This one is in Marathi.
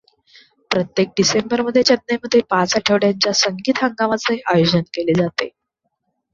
प्रत्येक डिसेंबरमध्ये चेन्नईमध्ये पाच आठवड्यांच्या संगीत हंगामाचे आयोजन केले जाते.